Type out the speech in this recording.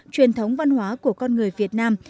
truyền thống văn hóa của con người việt nam